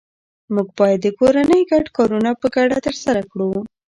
موږ باید د کورنۍ ګډ کارونه په ګډه ترسره کړو